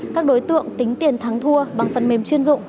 các đối tượng tính tiền thắng thua bằng phần mềm chuyên dụng